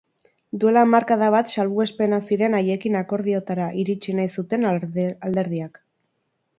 Duela hamarkada bat salbuespena ziren haiekin akordiotara iritsi nahi zuten alderdiak.